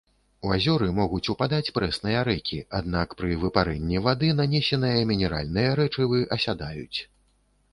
У азёры могуць упадаць прэсныя рэкі, аднак, пры выпарэнні вады нанесеныя мінеральныя рэчывы асядаюць.